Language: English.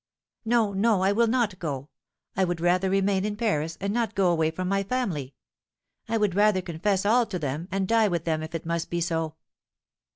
'No, no, I will not go; I would rather remain in Paris, and not go away from my family; I would rather confess all to them, and die with them, if it must be so.'